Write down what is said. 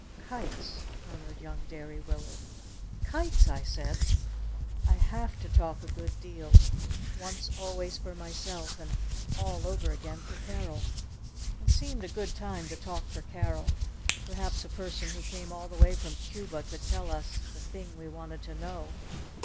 "Kites?" murmured young Derry Willard. "Kites!" I said. "I have to talk a good deal. Once always for myself. And all over again for Carol." It seemed a good time to talk for Carol. Perhaps a person who came all the way from Cuba could tell us the thing we wanted to know.